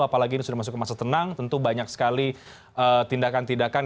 apalagi ini sudah masuk ke masa tenang tentu banyak sekali tindakan tindakan